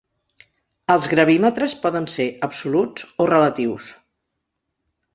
Els gravímetres poden ser absoluts o relatius.